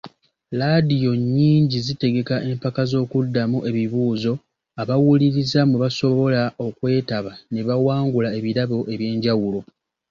Laadiyo nnyingi zitegeka empaka z'okuddamu ebibuuzo, abawuliriza mwe basobola okwetaba ne bawangula ebirabo eby'enjawulo.